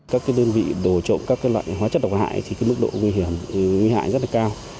các đơn vị đồ trộm các loại hóa chất độc hại thì mức độ nguy hiểm nguy hại rất là cao